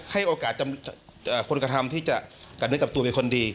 ให้โอกาสคนกระทำที่จะเนื้อกับตัวเป็นคนดี